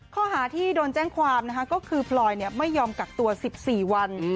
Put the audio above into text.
ข้อหาที่โดนแจ้งความนะคะก็คือพลอยไม่ยอมกักตัว๑๔วัน